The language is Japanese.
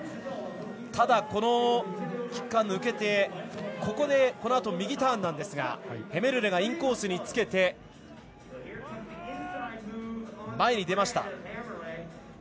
ただ、キッカーを抜けてそのあと右ターンなんですがヘメルレがインコースにつけて前に出ました。